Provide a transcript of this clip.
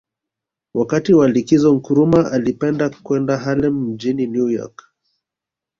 Wakati wa likizo Nkrumah alipenda kwenda Harlem mjini New York